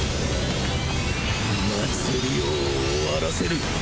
祭を終わらせる